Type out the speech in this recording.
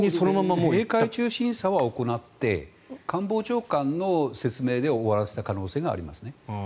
閉会中審査はやって官房長官の説明で終わらせた可能性がありますね。